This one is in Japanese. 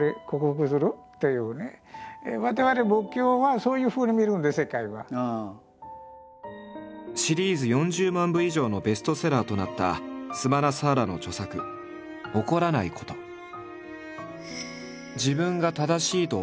そうするとだからシリーズ４０万部以上のベストセラーとなったスマナサーラの著作「怒らないこと」。など